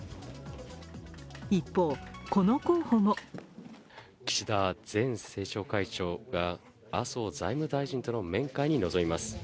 一方、この候補も岸田前政調会長が麻生財務大臣との面会に臨みます。